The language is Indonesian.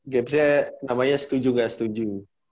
gaps nya namanya setuju gak setuju